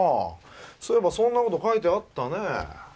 そういえばそんなこと書いてあったねえ